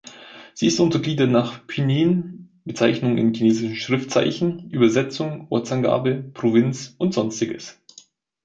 Sie ist untergliedert nach Pinyin, Bezeichnung in chinesischen Schriftzeichen, Übersetzung, Ortsangabe, Provinz und sonstiges.